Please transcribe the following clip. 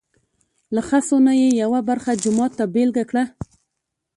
له خسو نه یې یوه برخه جومات ته بېله کړه.